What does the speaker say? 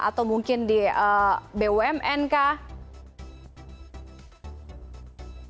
atau mungkin di bumn kah